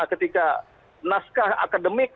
ketika naskah akademik